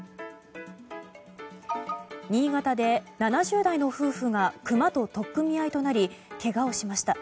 新潟で７０代の夫婦がクマと取っ組み合いとなりけがをしました。